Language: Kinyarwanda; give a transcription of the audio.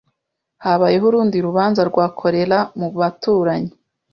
Habayeho urundi rubanza rwa kolera mu baturanyi.